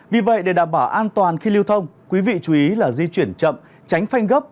vì vậy để đảm bảo an toàn khi lưu thông quý vị chú ý là di chuyển chậm tránh phanh gấp